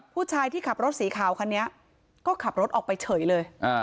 ผู้ชายที่ขับรถสีขาวคันนี้ก็ขับรถออกไปเฉยเลย